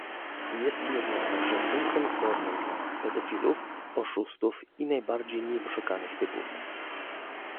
Jest jednak także punktem zbornym dla pedofilów, oszustów i najbardziej niewyszukanych typów